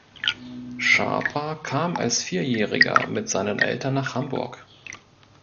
Schaper kam als Vierjähriger mit seinen Eltern nach Hamburg.